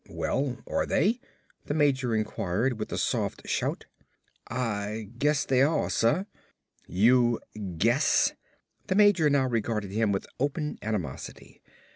"Well are they?" the major inquired with a soft shout. "Ah guess they are, suh." "You guess!" The major now regarded him with open animosity.